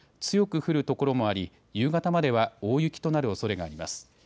強く降る所もあり、夕方までは大雪となるおそれがあります。